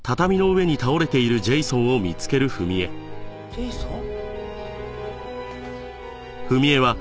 ジェイソン？